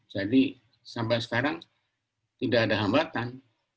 jadi sampai sekarang tidak ada hambatan